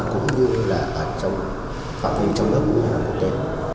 cũng như là trong phạm hình trong đất nước